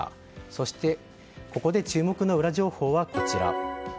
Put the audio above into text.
そしてここで注目のウラ情報はこちら。